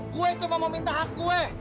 gua cuma mau minta hak gua